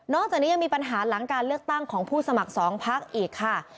จากนี้ยังมีปัญหาหลังการเลือกตั้งของผู้สมัครสองพักอีกค่ะ